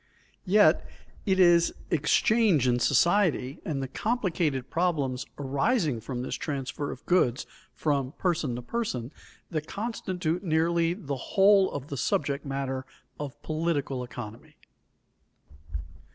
Yet, it is exchange in society and the complicated problems arising from this transfer of goods from person to person that constitute nearly the whole of the subject matter of political economy.